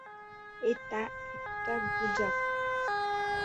এটা একটা গুজব।